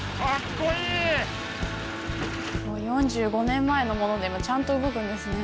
４５年前のものでもちゃんと動くんですね